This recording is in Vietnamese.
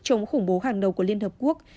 chống khủng bố hàng đầu của liên hợp quốc